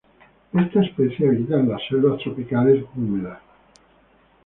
Esta especie habita en las selvas tropicales húmedas.